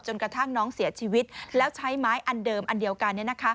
กระทั่งน้องเสียชีวิตแล้วใช้ไม้อันเดิมอันเดียวกัน